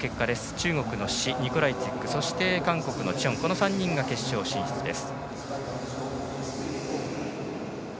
中国の史、ニコライツィックそして韓国のチョンこの３人が決勝進出です。